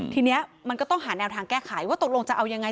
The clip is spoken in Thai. ทีนี้มันก็ต้องหาแนวทางแก้ไขว่าตกลงจะเอายังไง